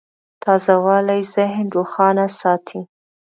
تازهوالی ذهن روښانه ساتي.